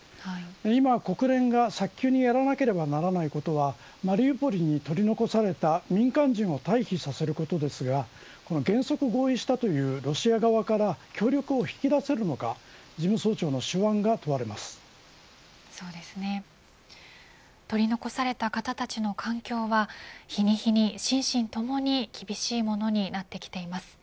今、国連が早急にやらなければならないことはマリウポリに取り残された民間人を退避させることですが原則、合意したというロシア側から協力を引き出せるのか取り残された方たちの環境は日に日に心身ともに厳しいものになってきています。